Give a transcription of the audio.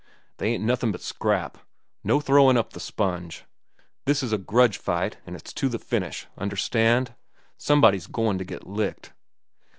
They ain't nothin' but scrap. No throwin' up the sponge. This is a grudge fight an' it's to a finish. Understand? Somebody's goin' to get licked."